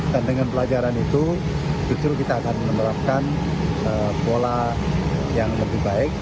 dan dengan pelajaran itu justru kita akan menerapkan pola yang lebih baik